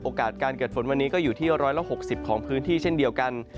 การเกิดฝนวันนี้ก็อยู่ที่๑๖๐ของพื้นที่เช่นเดียวกัน